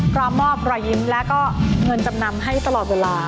พร้อมมอบรอยยิ้มและก็เงินจำนำให้ตลอดเวลา